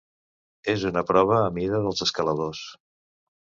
És una prova a mida dels escaladors.